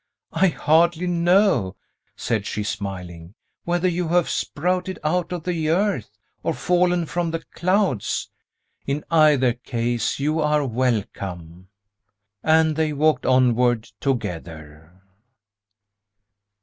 "I hardly know," said she, smiling, "whether you have sprouted out of the earth, or fallen from the clouds. In either case you are welcome." And they walked onward together.